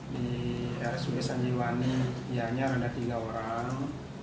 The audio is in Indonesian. di rsud sanjiwani gianyar ada tiga orang